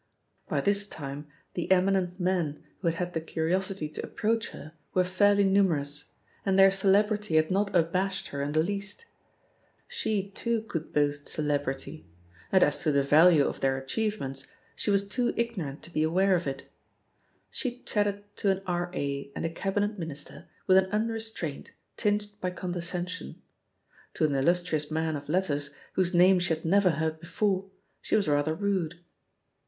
By this THE POSITION OF PEGGY HARPER «88 time the eminent men who had had the curiosity to approach her were fairly numerous, and their celebrity had not abashed her in the least — she too could boast celebrity; and as to the value of their achievements, she was too ignorant to be I aware of it. She chatted to an R.A. and a Cab inet Minister with an unrestraint tinged by con descension. To an illustrious man of letters, whose name she had never heard before, she was rather rude.